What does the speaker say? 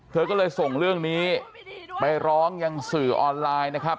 เธอก็เลยส่งเรื่องนี้ไปร้องยังสื่อออนไลน์นะครับ